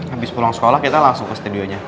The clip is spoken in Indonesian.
abis pulang sekolah kita langsung ke studio nya